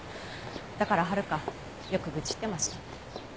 だから遥よく愚痴ってました。